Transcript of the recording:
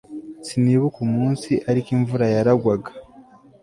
sinibuka umunsi ariko imvura yaragwaga